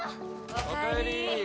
おかえり。